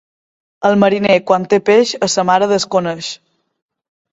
El mariner, quan té peix, a sa mare desconeix.